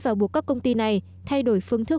và buộc các công ty này thay đổi phương thức